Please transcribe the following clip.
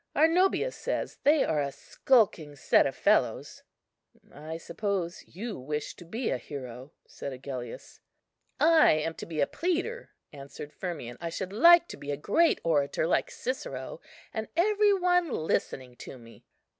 Arnobius says they are a skulking set of fellows." "I suppose you wish to be a hero," said Agellius. "I am to be a pleader," answered Firmian; "I should like to be a great orator like Cicero, and every one listening to me."